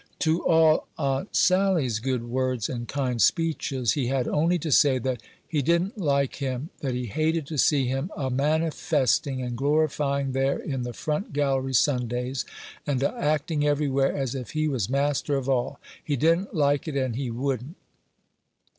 To all Aunt Sally's good words and kind speeches, he had only to say that "he didn't like him; that he hated to see him a' manifesting and glorifying there in the front gallery Sundays, and a' acting every where as if he was master of all: he didn't like it, and he wouldn't."